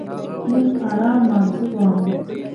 موږ ارام ماغزه غواړو.